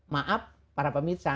maaf para pemirsa